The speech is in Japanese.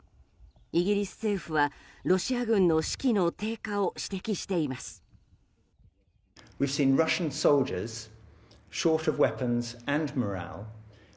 イギリス政府はロシア軍の士気の低下を指摘しています。